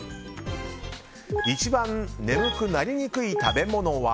一番眠くなりにくい食べ物は。